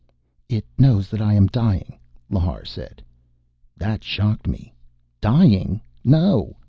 "It knows that I am dying," Lhar said. That shocked me. "Dying? No!"